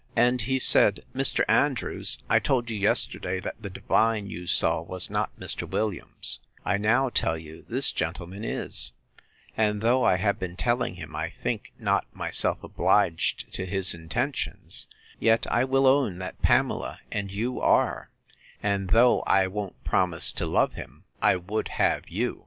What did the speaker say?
And he said, Mr. Andrews, I told you yesterday that the divine you saw was not Mr. Williams; I now tell you, this gentleman is: and though I have been telling him, I think not myself obliged to his intentions; yet I will own that Pamela and you are; and though I won't promise to love him, I would have you.